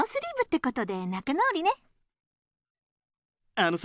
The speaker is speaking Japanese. あのさ